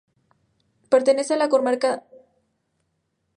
Pertenece a la comarca de Requena-Utiel, situada en la vega del Río Magro.